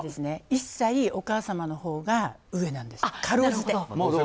１歳、お母様のほうが上なんですよ。